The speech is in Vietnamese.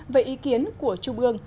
về ý kiến của trung ương